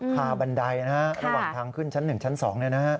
คาบันไดนะฮะระหว่างทางขึ้นชั้น๑ชั้น๒